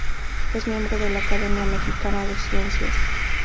Es miembro de la Academia Mexicana de Ciencias.